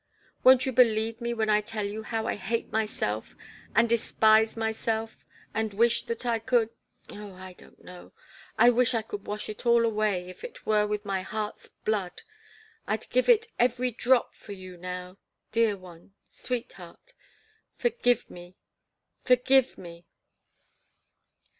Won't you believe me when I tell you how I hate myself and despise myself and wish that I could oh, I don't know! I wish I could wash it all away, if it were with my heart's blood! I'd give it, every drop, for you, now dear one sweetheart forgive me! forgive me!"